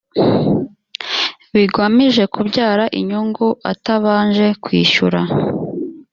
bigamije kubyara inyungu atabanje kwishyura.